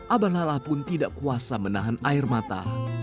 abah lala pun tidak kuasa menahan air mata